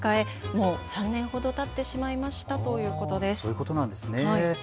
もう３年ほどたってしまいましたということです。